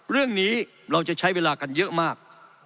เรื่องนี้เราจะใช้เวลากันเยอะมาก